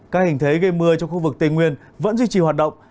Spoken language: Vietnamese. các hình thế gây mưa cho khu vực tây nguyên vẫn duy trì hoạt động